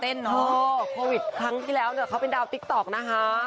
โอ้โหโควิดครั้งที่แล้วเขาเป็นดาวน์ติ๊กต๊อกนะคะ